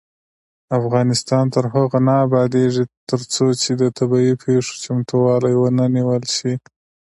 افغانستان تر هغو نه ابادیږي، ترڅو د طبيعي پیښو چمتووالی ونه نیول شي.